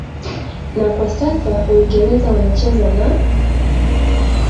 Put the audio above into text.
na kwa sasa uingereza wana wanacheza na